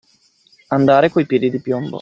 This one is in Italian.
Andare coi piedi di piombo.